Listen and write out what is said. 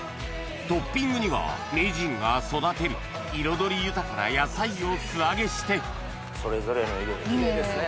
トッピングには名人が育てる彩り豊かな野菜を素揚げしてそれぞれの色でキレイですね。